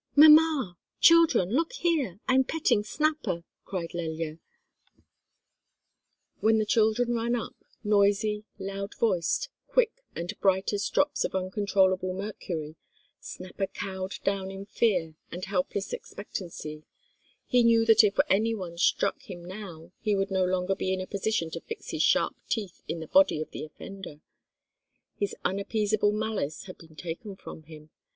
"Mamma! children! look here, I'm petting Snapper," cried Lelya. When the children ran up, noisy, loud voiced, quick and bright as drops of uncontrollable mercury, Snapper cowed down in fear and helpless expectancy: he knew that if any one struck him now, he would no longer be in a position to fix his sharp teeth in the body of the offender: his unappeasable malice had been taken from him.